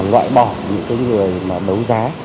loại bỏ những cái người mà đấu giá